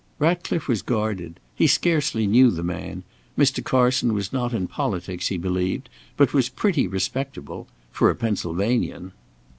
Ratcliffe was guarded: he scarcely knew the man; Mr. Carson was not in politics, he believed, but was pretty respectable for a Pennsylvanian.